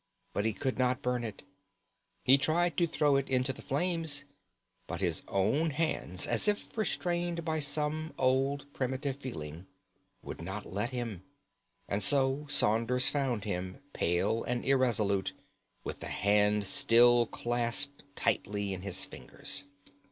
But he could not burn it. He tried to throw it into the flames, but his own hands, as if restrained by some old primitive feeling, would not let him. And so Saunders found him pale and irresolute, with the hand still clasped tightly in his fingers.